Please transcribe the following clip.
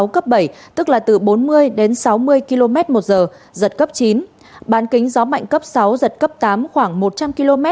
cấp bảy tức là từ bốn mươi đến sáu mươi km một giờ giật cấp chín bán kính gió mạnh cấp sáu giật cấp tám khoảng một trăm linh km